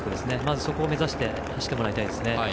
そこを目指して走ってもらいたいですね。